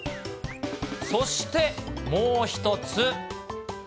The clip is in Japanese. そして、もう一つ。